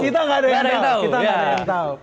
kita nggak ada yang tau